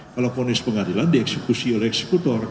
kalau ponis pengadilan dieksekusi oleh eksekutor